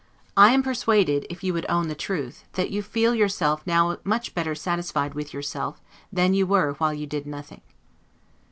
I am persuaded, if you would own the truth, that you feel yourself now much better satisfied with yourself than you were while you did nothing.